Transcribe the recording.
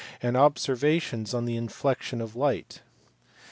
part 4) and observations on the inflexion of light (bk.